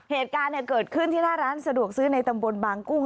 เหตุการณ์เกิดขึ้นที่หน้าร้านสะดวกซื้อในตำบลบางกุ้ง